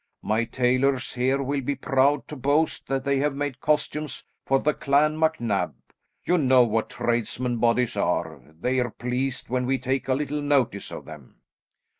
My tailors here will be proud to boast that they have made costumes for the Clan MacNab. You know what tradesmen bodies are, they're pleased when we take a little notice of them."